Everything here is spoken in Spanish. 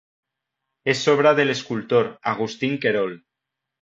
Es obra del escultor Agustín Querol.